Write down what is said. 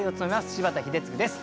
柴田英嗣です。